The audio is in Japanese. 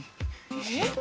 えっ？